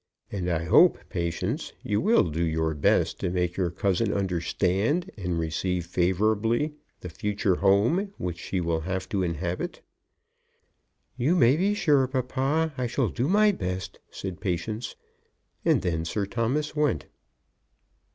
And I hope, Patience, you will do your best to make your cousin understand and receive favourably the future home which she will have to inhabit." "You may be sure, papa, I shall do my best," said Patience; and then Sir Thomas went.